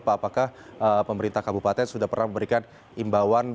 pak apakah pemerintah kabupaten sudah pernah memberikan imbauan